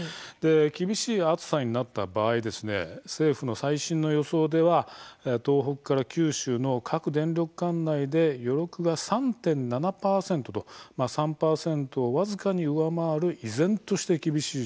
厳しい暑さになった場合政府の最新の予想では東北から九州の各電力管内で余力が３．７％と３％を僅かに上回る依然として厳しい状況なんです。